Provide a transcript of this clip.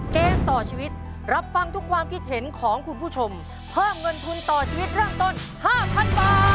เกมต่อชีวิตรับฟังทุกความคิดเห็นของคุณผู้ชมเพิ่มเงินทุนต่อชีวิตเริ่มต้น๕๐๐๐บาท